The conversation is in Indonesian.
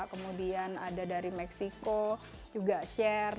kemudian ada dari meksiko juga share